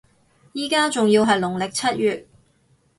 依家仲要係農曆七月